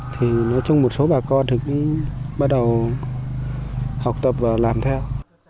thì nói chung một số bà con thì cũng bắt đầu học tập và làm theo